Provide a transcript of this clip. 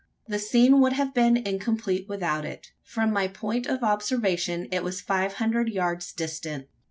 The scene would have been incomplete without it. From my point of observation it was five hundred yards distant.